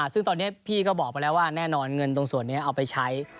ซึ่งตอนนี้พี่ก็บอกไปแล้วว่าแน่นอนเงินตรงส่วนนี้เอาไปใช้